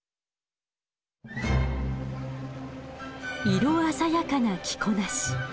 色鮮やかな着こなし。